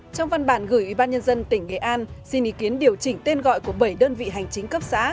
trong văn bản gửi ủy ban nhân dân tỉnh nghệ an xin ý kiến điều chỉnh tên gọi của bảy đơn vị hành chính cấp xã